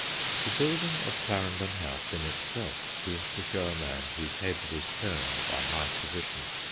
The building of Clarendon House in itself seemed to show a man whose head was turned by high position.